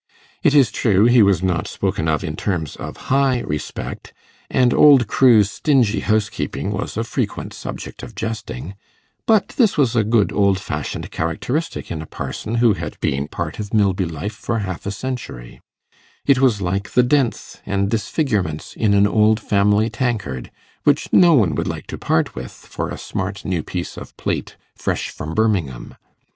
It is true he was not spoken of in terms of high respect, and old Crewe's stingy housekeeping was a frequent subject of jesting; but this was a good old fashioned characteristic in a parson who had been part of Milby life for half a century: it was like the dents and disfigurements in an old family tankard, which no one would like to part with for a smart new piece of plate fresh from Birmingham.